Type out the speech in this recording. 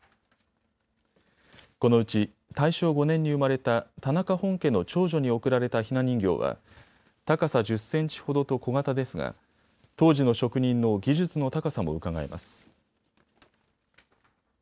このうち大正５年に生まれた田中本家の長女に贈られたひな人形は高さ１０センチほどと小型ですが当時の職人の技術の高さもうかがえます。